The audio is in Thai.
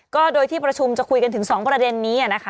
ก็โดยที่ประชุมจะคุยกันถึง๒ประเด็นนี้นะคะ